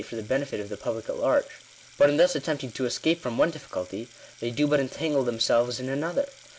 133 for the benefit of the public at large. But in thus attempting to escape from one difficulty, they do but entangle themselves in another.